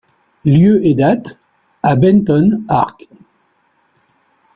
Lieu et date: À Benton, Ark.